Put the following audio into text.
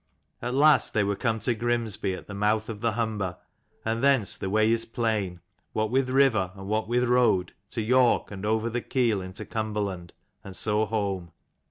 last they were come to iGrimsby at the mouth of the Humber, and thence the way is plain, what with river and [what with road, to York, and >ver the Keel into Cumberland, and so home.